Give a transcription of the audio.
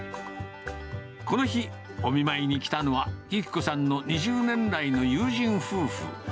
この日、お見舞いに来たのは由希子さんの２０年来の友人夫婦。